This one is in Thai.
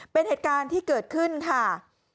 เป็นเหตุการณ์ที่เกิดขึ้นค่ะ